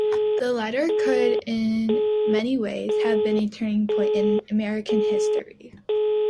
The letter could in many ways have been a turning point in American history.